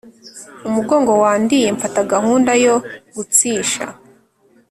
umugongo wandiye mfata gahunda yo gutshs